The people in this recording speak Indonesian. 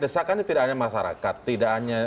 desakannya tidak hanya masyarakat tidak hanya